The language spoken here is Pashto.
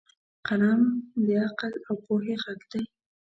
قلم د عقل او پوهې غږ دی